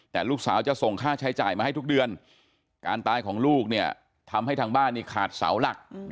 แต่ลูกสาวจะส่งค่าใช้จ่ายมาให้ทุกเดือนการตายของลูกเนี่ยทำให้ทางบ้านนี่ขาดเสาหลัก